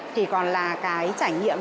thì còn là cái trải nghiệm